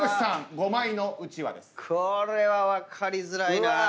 これは分かりづらいなぁ。